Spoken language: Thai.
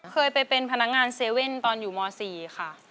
เคยไปเป็นพนักงาน๗๑๑ตอนอยู่ม๔ค่ะ